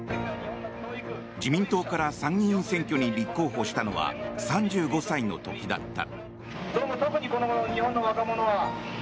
自民党から参議院選挙に立候補したのは３５歳の時だった。